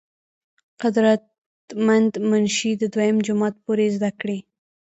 قدر مند منشي د دويم جمات پورې زدکړې